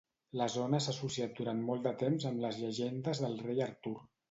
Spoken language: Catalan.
La zona s'ha associat durant molt de temps amb les llegendes del rei Artur.